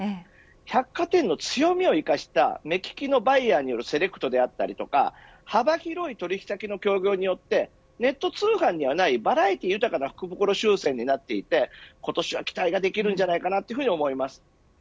百貨店の強みを生かした目利きのバイヤーによるセレクトだったりとか幅広い取引先との協業によってネット通販にはないバラエティー豊かな福袋商戦になっていて今年は期待できると思います。